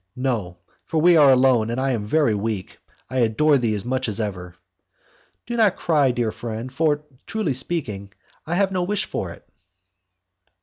"No, for we are alone and I am very weak. I adore thee as much as ever." "Do not cry, dear friend, for, truly speaking, I have no wish for it."